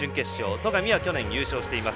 戸上は去年、優勝しています。